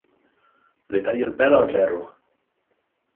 Li talli el pèl al zero.